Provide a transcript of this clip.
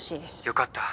よかった。